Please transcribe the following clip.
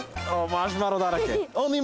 マシュマロだらけ。